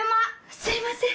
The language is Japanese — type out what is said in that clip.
すいません！